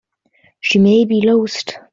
She may be lost.